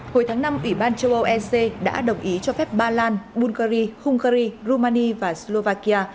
hồi tháng năm ủy ban châu âu ec đã đồng ý cho phép ba lan bulgari hungary rumania và slovakia